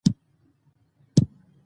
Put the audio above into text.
انګریزان حلال سوي دي.